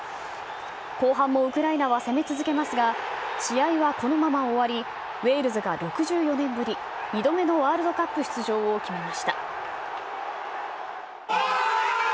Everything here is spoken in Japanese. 後半もウクライナは攻め続けますが、試合はこのまま終わり、ウェールズが６４年ぶり、２度目のワールドカップ出場を決めました。